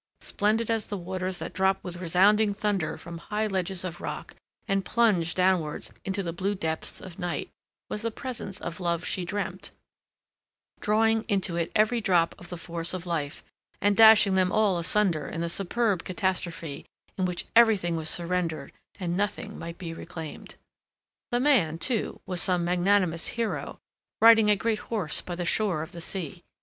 Splendid as the waters that drop with resounding thunder from high ledges of rock, and plunge downwards into the blue depths of night, was the presence of love she dreamt, drawing into it every drop of the force of life, and dashing them all asunder in the superb catastrophe in which everything was surrendered, and nothing might be reclaimed. The man, too, was some magnanimous hero, riding a great horse by the shore of the sea.